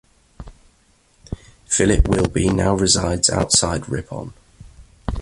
Philip Wilby now resides outside Ripon.